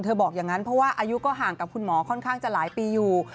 บอกอย่างนั้นเพราะว่าอายุก็ห่างกับคุณหมอค่อนข้างจะหลายปีอยู่